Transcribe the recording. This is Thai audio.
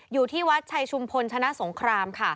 อยู่ที่วัดชัยชุมพลชนะสงครามค่ะ